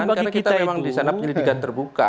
karena kita memang di sana penyelidikan terbuka